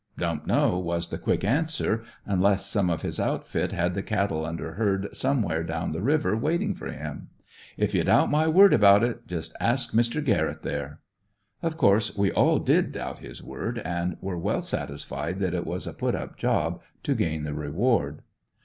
"Don't know," was the quick answer, unless some of his outfit had the cattle under herd somewhere down the river waiting for him. If you doubt my word about it, just ask Mr. Garrett, there. Of course we all did doubt his word, and were well satisfied that it was a put up job, to gain the reward.